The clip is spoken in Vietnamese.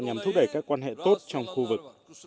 nhằm thúc đẩy các quan hệ tốt trong khu vực